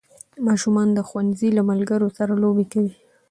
ماشومان د ښوونځي له ملګرو سره لوبې کوي